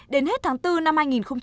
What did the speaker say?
đến hết tháng bốn năm hai nghìn hai mươi